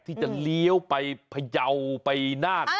ที่จะเลี้ยวไปพยาวไปนาค